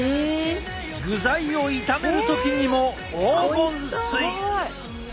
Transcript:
具材を炒める時にも黄金水。